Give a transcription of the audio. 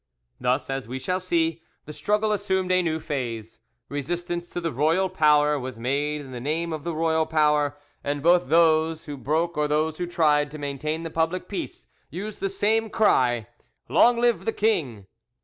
Thus, as we shall see, the struggle assumed a new phase: resistance to the royal power was made in the name of the royal power, and both those who broke or those who tried to maintain the public peace used the same cry, "Long live the king!"